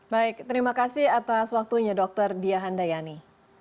baik terima kasih atas waktunya dokter diahandayani